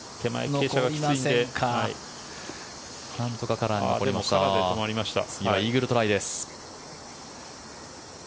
次はイーグルトライです。